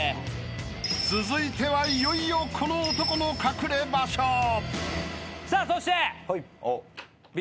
［続いてはいよいよこの男の隠れ場所］さあそして。